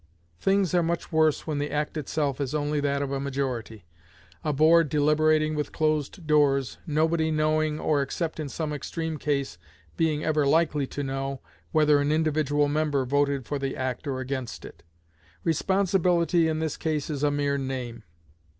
Things are much worse when the act itself is only that of a majority a board deliberating with closed doors, nobody knowing, or, except in some extreme case, being ever likely to know, whether an individual member voted for the act or against it. Responsibility in this case is a mere name.